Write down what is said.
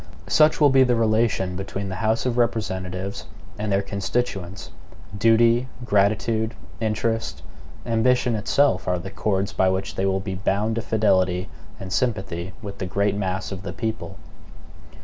Such will be the relation between the House of Representatives and their constituents. Duty, gratitude, interest, ambition itself, are the chords by which they will be bound to fidelity and sympathy with the great mass of the people.